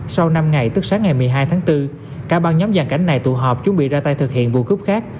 sau năm ngày tức sáng ngày một mươi hai tháng bốn cả băng nhóm giàn cảnh này tụ họp chuẩn bị ra tay thực hiện vụ cướp khác